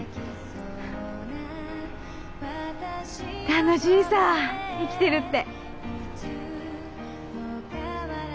楽しいさぁ生きてるって。